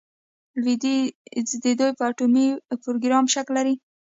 لویدیځ د دوی په اټومي پروګرام شک لري.